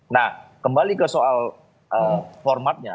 nah kembali ke soal formatnya